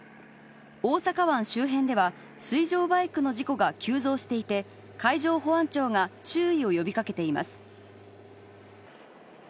大阪湾周辺では、水上バイクの事故が急増していて、海上保安庁が注意を呼びかけています。